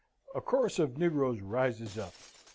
A chorus of negroes rises up.